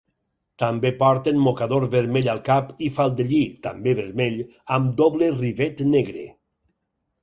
També porten mocador vermell al cap i faldellí, també vermell, amb doble rivet negre.